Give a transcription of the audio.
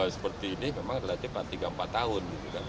seperti ini memang relatif tiga empat tahun